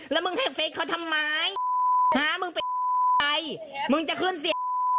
แล้วมึงให้เฟสเขาทำไมอ่ามึงเป็นมึงจะขึ้นเสีย